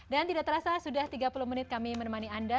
dan tidak terasa sudah tiga puluh menit kami menemani anda